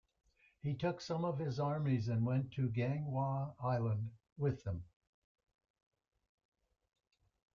He took some of his armies and went to Ganghwa island with them.